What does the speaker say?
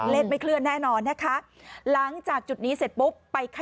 ไม่เคลื่อนแน่นอนนะคะหลังจากจุดนี้เสร็จปุ๊บไป